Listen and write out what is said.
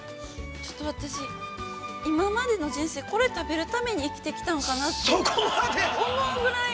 ◆ちょっと私、今までの人生、これ食べるために生きてきたんかなって思うぐらい。